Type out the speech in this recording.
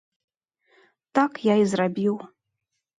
Так я і зрабіў.